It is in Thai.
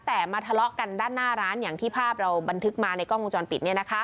แต่มาทะเลาะกันด้านหน้าร้านอย่างที่ภาพเราบันทึกมาในกล้องวงจรปิด